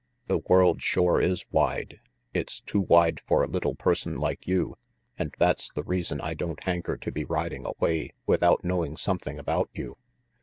"The world shore is wide. It's too wide for a little person like you, and that's the reason I don't hanker to be riding away with out knowing something about you.